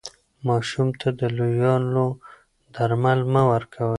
ماشوم ته د لویانو درمل مه ورکوئ.